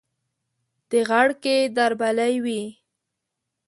د غړکې دربلۍ وي